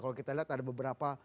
kalau kita lihat ada beberapa